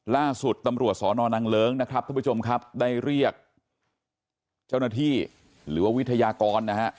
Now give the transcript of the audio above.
ล่าสุดตำรวจสอนอนังเลิ้งนะครับท่านผู้ชมครับได้เรียกเจ้าหน้าที่หรือว่าวิทยากรนะฮะ